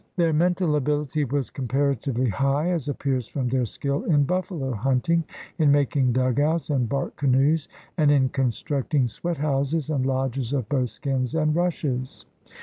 Their mental ability was comparatively high, as appears from their skill in buffalo hunting, in making dugouts and bark canoes, and in con structing sweat houses and lodges of both 'skins and rushes.